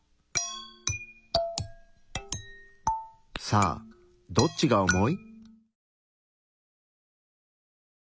さあどっちが重い？